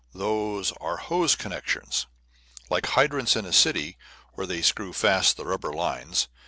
Those are hose connections, like hydrants in a city, where they screw fast the rubber lines.